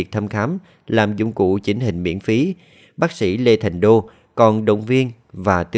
thăm khám cựu chiến binh bùi trọng định